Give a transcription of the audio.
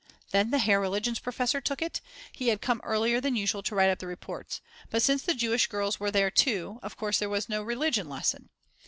Then the Herr Religionsprofessor took it, he had come earlier than usual to write up the reports. But since the Jewish girls were there too, of course there was no religion lesson.